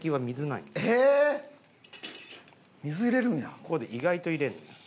ここで意外と入れるのよ。